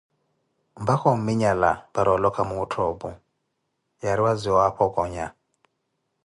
mpakha ominyala para owahi olokha muuttho opu, yariwa ziwaapho conya.